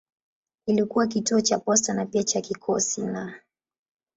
Ilikuwa kituo cha posta na pia cha kikosi na.